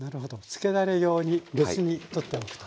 つけだれ用に別に取っておくと。